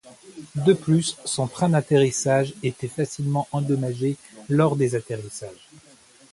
De plus, son train d'atterrissage était facilement endommagé lors des atterrissages.